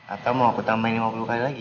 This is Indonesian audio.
atau mau aku tambahin lima puluh kali lagi